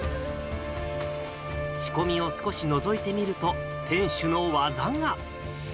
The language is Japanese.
仕込みを少しのぞいてみると、店主の技が。